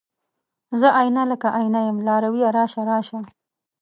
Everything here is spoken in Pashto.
زه آئينه، لکه آئینه یم لارویه راشه، راشه